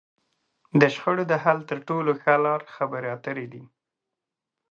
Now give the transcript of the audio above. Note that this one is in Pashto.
د شخړو د حل تر ټولو ښه لار؛ خبرې اترې دي.